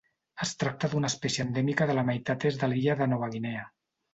Es tracta d'una espècie endèmica de la meitat est de l'illa de Nova Guinea.